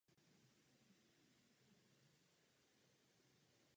V mládí pracoval u královského dvora.